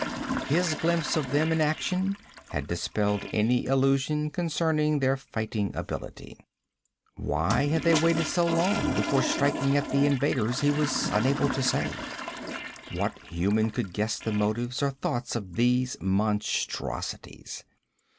His glimpse of them in action had dispelled any illusion concerning their fighting ability. Why they had waited so long before striking at the invaders he was unable to say. What human could guess the motives or thoughts of these monstrosities?